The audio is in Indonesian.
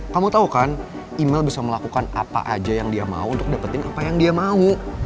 kamu tau kan email bisa melakukan apa aja yang dia mau untuk dapetin apa yang dia mau